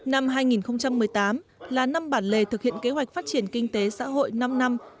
năm hai nghìn một mươi tám là năm bản lề thực hiện kế hoạch phát triển kinh tế xã hội năm năm hai nghìn một mươi sáu hai nghìn hai mươi